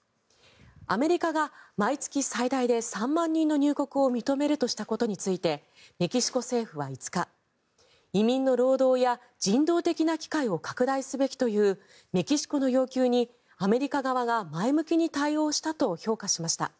アメリカが毎月最大で３万人の入国を認めるとしたことについてメキシコ政府は５日移民の労働や、人道的な機会を拡大すべきというメキシコの要求にアメリカ側が前向きに対応したと評価しました。